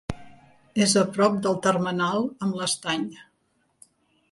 És a prop del termenal amb l'Estany.